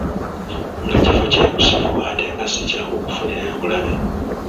Nga kifo kyekusifu ate nga si kyangu kufunirayo bulabe.